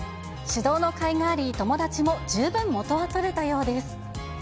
指導のかいがあり、友達も十分元は取れたようです。